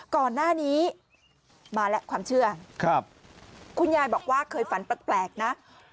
ก่อนหน้านี้มาแล้วความเชื่อคุณยายบอกว่าเคยฝันแปลกนะ